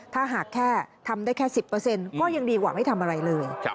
ถ้าหากแค่ทำได้แค่๑๐ก็ยังดีกว่าไม่ทำอะไรเลย